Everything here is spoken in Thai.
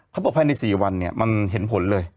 เขาบอกภายใน๔วันเนี่ยมันเห็นผลเลย